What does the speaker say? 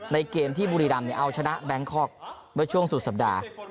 เกมที่บุรีรำเอาชนะแบงคอกเมื่อช่วงสุดสัปดาห์